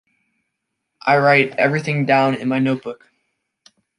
I write everything down in my notebook.